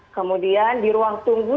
kemudian di ruang tunggu